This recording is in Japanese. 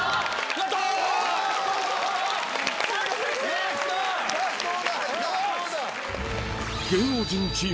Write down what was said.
やったー！